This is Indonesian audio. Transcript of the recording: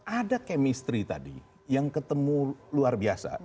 ada chemistry tadi yang ketemu luar biasa